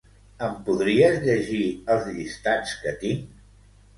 Em podries llegir els llistats que tinc?